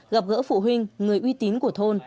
gặp gỡ phụ huynh người uy tín của thôn